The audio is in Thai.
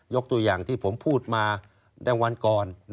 ตัวอย่างที่ผมพูดมาดังวันก่อน